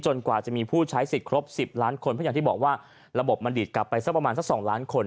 กว่าจะมีผู้ใช้สิทธิ์ครบ๑๐ล้านคนเพราะอย่างที่บอกว่าระบบมันดีดกลับไปสักประมาณสัก๒ล้านคน